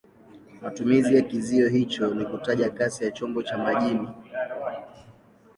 Matumizi ya kizio hicho ni kutaja kasi ya chombo cha majini.